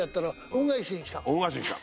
恩返しに来た。